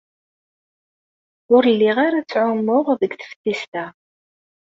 Ur lliɣ ara ttɛumuɣ deg teftist-a.